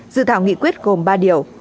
dự thảo nghị quyết gồm ba điều